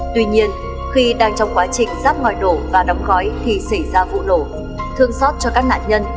tuy nhiên khi đang trong quá trình ráp ngòi nổ và đóng khói thì xảy ra vụ nổ thương xót cho các nạn nhân